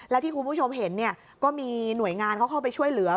และที่คุณผู้ชมเห็นก็มีหน่วยงานเขาเข้าไปช่วยเหลือ